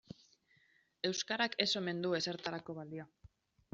Euskarak ez omen du ezertarako balio.